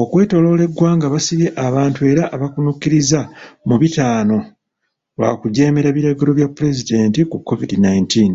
Okwetoolola eggwanga basibye abantu era abakkunukkiriza mu bitaano lwakujeemera biragiro bya pulezidenti ku COVID nineteen.